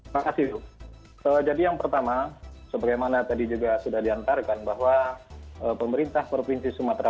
makasih jadi yang pertama sebagaimana tadi juga sudah diantarkan bahwa pemerintah provinsi sumatera